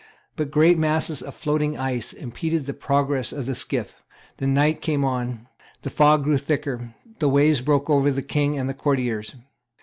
But great masses of floating ice impeded the progress of the skiff; the night came on; the fog grew thicker; the waves broke over the King and the courtiers.